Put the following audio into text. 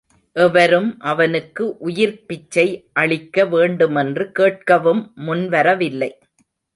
எவரும் அவனுக்கு உயிர்ப்பிச்சை அளிக்க வேண்டுமென்று கேட்கவும் முன்வரவில்லை.